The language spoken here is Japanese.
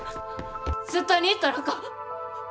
絶対に行ったらあかん！